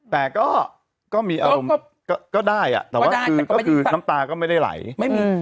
แต่ก็ก็มีอารมณ์ก็ได้อ่ะแต่ว่าคือก็คือน้ำตาก็ไม่ได้ไหลไม่มี